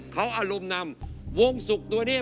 เขาอารมณ์นำวงสุขตัวเนี่ย